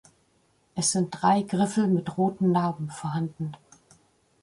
Es sind drei Griffel mit roten Narben vorhanden.